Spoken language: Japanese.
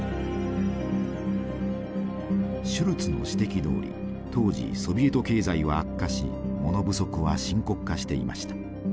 シュルツの指摘どおり当時ソビエト経済は悪化し物不足は深刻化していました。